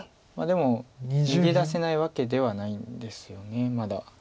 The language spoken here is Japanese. でも逃げ出せないわけではないんですよねまだ。